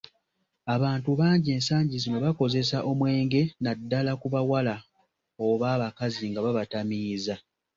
Abantu bangi ensangi zino bakozesa omwenge naddala ku bawala oba abakazi nga babatamiiza.